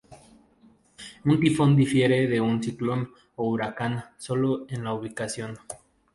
Un tifón difiere de un ciclón o huracán sólo en la ubicación.